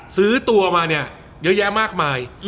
ซื้อตัวมาเนี่ยเยอะแยะมากมาย